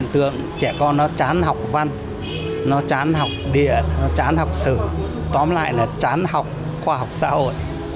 tượng trẻ con nó chán học văn nó chán học địa nó chán học sử tóm lại là chán học khoa học xã hội